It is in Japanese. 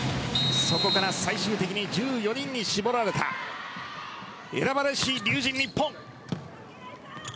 そこから最終的に１４人に絞られた選ばれし龍神ＮＩＰＰＯＮ。